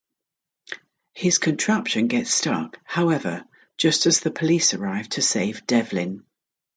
His contraption gets stuck, however, just as the police arrive to save Devlin.